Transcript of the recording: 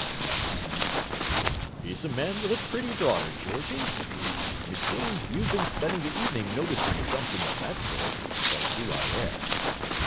Amberson laughed. "He's a man with a pretty daughter, Georgie. Meseemed you've been spending the evening noticing something of that sort—or do I err?"